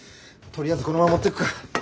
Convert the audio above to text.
とりあえずこのまま持ってくか。